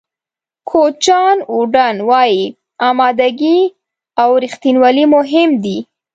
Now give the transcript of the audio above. کوچ جان ووډن وایي آمادګي او رښتینولي مهم دي.